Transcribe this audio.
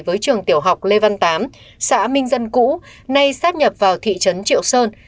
với trường tiểu học lê văn tám xã minh dân cũ nay sắp nhập vào thị trấn triệu sơn